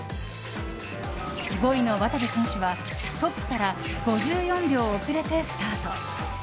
５位の渡部選手はトップから５４秒遅れてスタート。